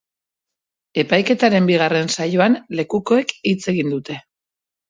Epaiketaren bigarren saioan lekukoek hitz egin dute.